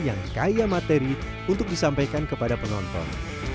yang kaya materi untuk disampaikan kepada penonton